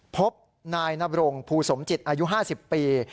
พบนายนบรงภูสมจิตอายุ๕๐ปี